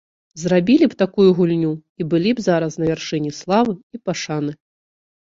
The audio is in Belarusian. Зрабілі б такую гульню і былі б зараз на вяршыні славы і пашаны.